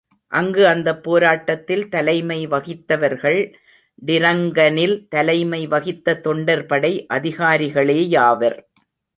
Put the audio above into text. அங்கு அந்த போராட்டத்தில் தலைமை வகித்தவர்கள் டிரங்கனில் தலைமை வகித்த தொண்டர்படை அதிகாரிகளேயாவர்.